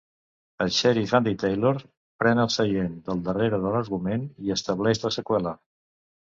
El xèrif Andy Taylor pren el seient del darrere de l'argument i estableix la seqüela.